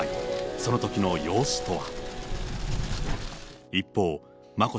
そのときの様子とは。